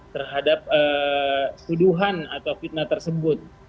terhadap tuduhan atau fitnah tersebut